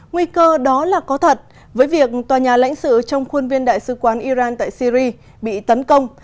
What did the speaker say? nguy cơ đó là có thật với việc tòa nhà lãnh sự trong khuôn viên đại sứ quán iran tại syri bị tấn công